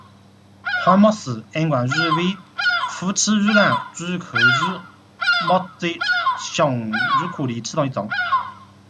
皇穆氏暗光鱼为辐鳍鱼纲巨口鱼目褶胸鱼科的其中一种。